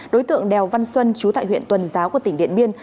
đối tượng đèo văn xuân chú tại huyện tuần giáo của tỉnh điện biên